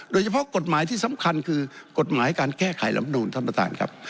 โดยเฉพาะกฎหมายที่สำคัญคือกฎหมายการแก้ไขลำนูนท่านประธานครับ